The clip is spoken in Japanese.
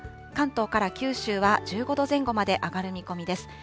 関東から九州は１５度前後まで上がる見込みです。